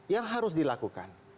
yang harus dilakukan